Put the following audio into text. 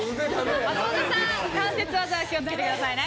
松本さん、関節技に気を付けてくださいね。